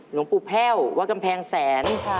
หลวงปู่แพ่ววัดกำแพงแสน